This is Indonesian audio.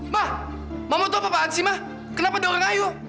ma mama tuh apaan sih ma kenapa dia orang ngaio